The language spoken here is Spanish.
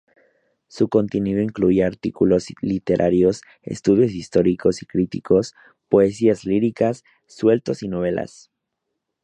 Su contenido incluía artículos literarios, estudios históricos y críticos, poesías líricas, sueltos y novelas.